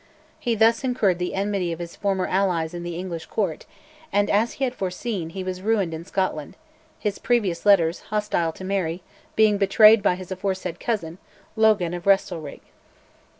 He thus incurred the enmity of his former allies in the English Court, and, as he had foreseen, he was ruined in Scotland his previous letters, hostile to Mary, being betrayed by his aforesaid cousin, Logan of Restalrig.